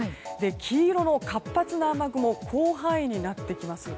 黄色の活発な雨雲広範囲になっていきます。